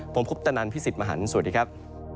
ผมพุทธนันทร์พี่สิทธิ์มหานสวัสดีครับ